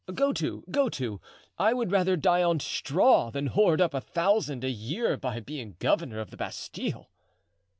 Go to! go to! I would rather die on straw than hoard up a thousand a year by being governor of the Bastile."